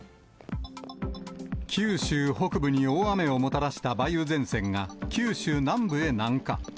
九州北部に大雨をもたらした梅雨前線が、九州南部へ南下。